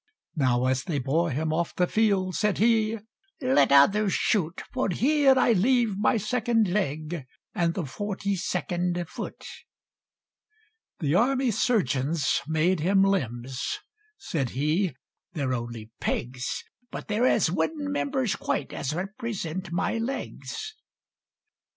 Now as they bore him off the field, Said he, "Let others shoot, For here I leave my second leg, And the Forty second Foot!" The army surgeons made him limbs: Said he, "They're only pegs: But there's as wooden members quite, As represent my legs!"